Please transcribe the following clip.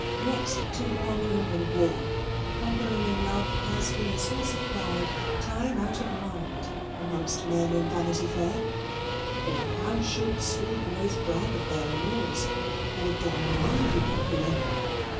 Next to conquering in war, conquering in love has been a source of pride, time out of mind, amongst men in Vanity Fair, or how should schoolboys brag of their amours, or Don Juan be popular?